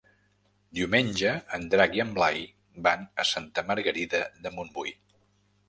Diumenge en Drac i en Blai van a Santa Margarida de Montbui.